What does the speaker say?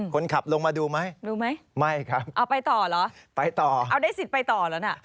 คนขับลงมาดูไหมรู้ไหมไม่ครับเอาไปต่อเหรอไปต่อเอาได้สิทธิ์ไปต่อแล้วนะ